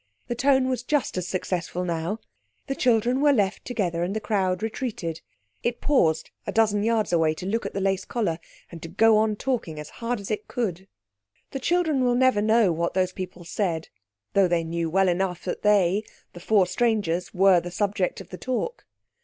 The tone was just as successful now. The children were left together and the crowd retreated. It paused a dozen yards away to look at the lace collar and to go on talking as hard as it could. The children will never know what those people said, though they knew well enough that they, the four strangers, were the subject of the talk.